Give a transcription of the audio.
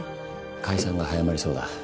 解散が早まりそうだ。